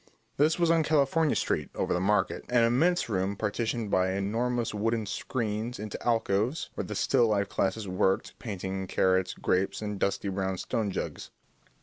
This was on California Street over the Market, an immense room partitioned by enormous wooden screens into alcoves, where the still life classes worked, painting carrots, grapes, and dusty brown stone jugs.